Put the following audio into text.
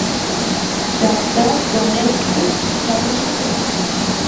Shajtar Donetsk ganó el campeonato.